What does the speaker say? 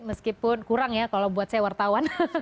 meskipun kurang ya kalau buat saya wartawan